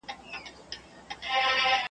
نه یې زړه له شکایت څخه سړیږي .